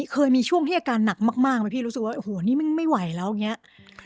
เคยมีช่วงที่อาการหนักมากไหมพี่รู้สึกว่านี่มันไม่ไหวแล้ว